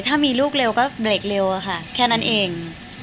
ถ้ามีลูกเร็วก็เบรกเร็วอะค่ะแค่นั้นเอง